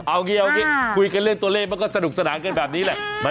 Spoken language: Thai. โอเคคุยกันเล่นตัวเล่นมันก็สนุกสนานกันแบบนี้แหละ